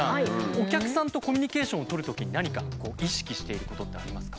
お客さんとコミュニケーションを取るときに何か意識していることってありますか？